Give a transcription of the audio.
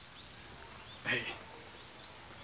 はい。